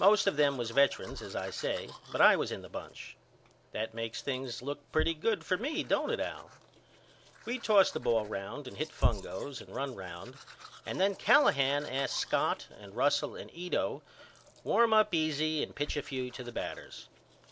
Most of them was vetrans as I say but I was in the bunch. That makes things look pretty good for me don't it Al? We tossed the ball round and hit fungos and run round and then Callahan asks Scott and Russell and Ito warm up easy and pitch a few to the batters.